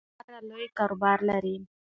دوی خورا لوی کاروبار لري.